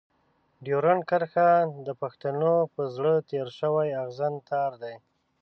ډيورنډ کرښه د پښتنو په زړه تېر شوی اغزن تار دی.